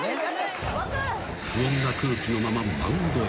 ［不穏な空気のままマウンドへ］